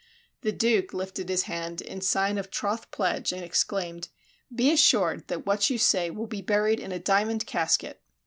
The Duke lifted his hand in sign of troth pledge and exclaimed, "Be assured that what you say will be buried in a diamond casket."